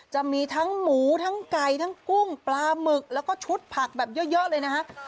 จะมีทั้งหมูทั้งไก่ทั้งกุ้งปลาหมึกแล้วก็ชุดผักแบบเยอะเลยนะฮะ